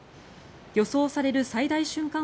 予想される最大瞬間